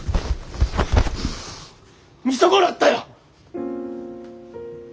見損なったよ！